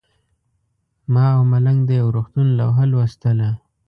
ما او ملنګ د یو روغتون لوحه لوستله.